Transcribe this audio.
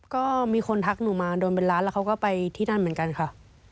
ก็มีคนทักหนูมาโดนเป็นล้านแล้วเขาก็ไปที่นั่นเหมือนกันค่ะ